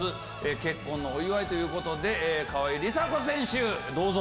結婚のお祝いということで川井梨紗子選手どうぞ。